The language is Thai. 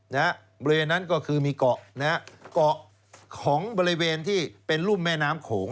บริเวณนั้นก็คือมีเกาะนะฮะเกาะของบริเวณที่เป็นรุ่มแม่น้ำโขง